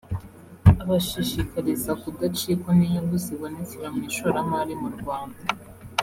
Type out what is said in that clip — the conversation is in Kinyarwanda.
abashishikariza kudacikwa n’inyungu zibonekera mu ishoramari mu Rwanda